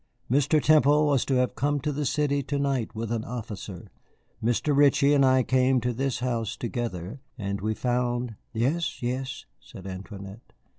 Mr. Temple was to have come to the city to night with an officer. Mr. Ritchie and I came to this house together, and we found " "Yes, yes," said Antoinette.